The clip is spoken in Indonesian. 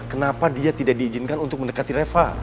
kenapa dia tidak diizinkan untuk mendekati reva